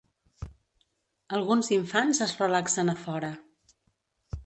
Alguns infants es relaxen a fora